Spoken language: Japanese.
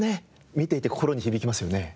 見ていて心に響きますよね。